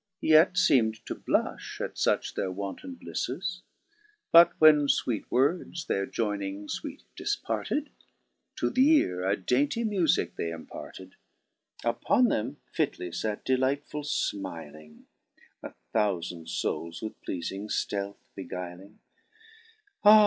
Yet feem'd to blufli at fuch their wanton blifles ; But when iweet words their joyning (weet difparted, To th' eare a dainty mufique they imparted : Upon them fitly fate, delightfuU fmiling, A thoufand foules with pleafing ftealth beguiling : Ah